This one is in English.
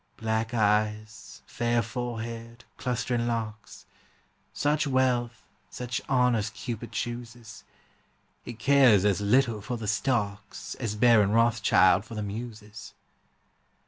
Black eyes, fair forehead, clustering locks, Such wealth, such honors Cupid chooses; He cares as little for the stocks As Baron Rothschild for the muses.